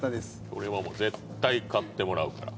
これはもう絶対買ってもらうから。